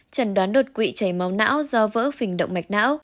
trần đoán đột quỵ chảy máu não do vỡ phình động mạch não